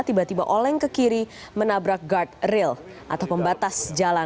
tiba tiba oleng ke kiri menabrak guard rail atau pembatas jalan